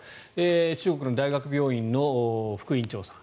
中国の大学病院の副院長さん。